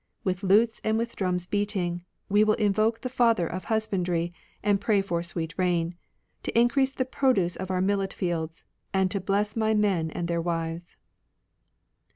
With lutes, and with drums beating. We will invoke the Father of Husbandry, And pray for sweet rain. To increase the produce of our millet fields, And to bless my men and their wives.